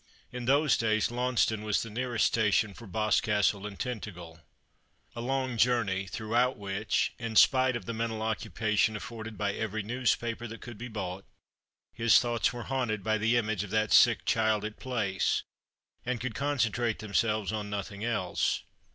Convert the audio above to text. In those days Launceston was the nearest station for Boscastle and Tintairel. A long journey, throughout which — in spite of the mental occupation afforded by every newspaper that could be bought — his thoughts were haunted by the image of that sick child at Place, and could concentrate themselves on nothing else.